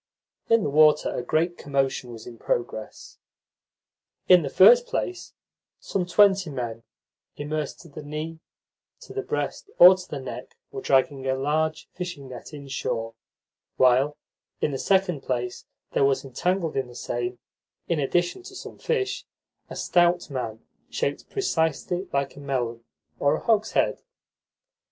In the water a great commotion was in progress. In the first place, some twenty men, immersed to the knee, to the breast, or to the neck, were dragging a large fishing net inshore, while, in the second place, there was entangled in the same, in addition to some fish, a stout man shaped precisely like a melon or a hogshead.